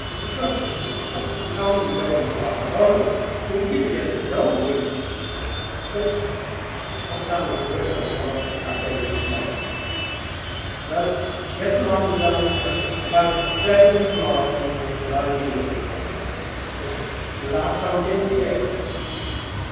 but shure what would Tom be doing with Father Cullen? wouldn't he be going to his own priest? Well, what time will yer riverence come up to Pat Brady's to morrow?" "Well, get the mutton done about seven to morrow evening, and I'll be with you. But you'll ask Tom Ginty, eh?"